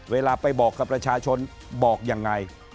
เวลาไปบอกกับประชาชนบอกยังไง